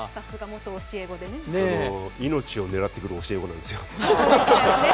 命を狙ってくる教え子ですよ。